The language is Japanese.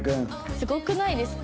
すごくないですか？